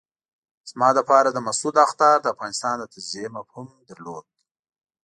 زما لپاره د مسعود اخطار د افغانستان د تجزیې مفهوم درلود.